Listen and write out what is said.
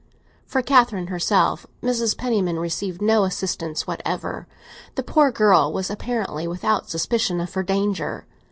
From Catherine herself Mrs. Penniman received no assistance whatever; the poor girl was apparently without suspicion of her danger.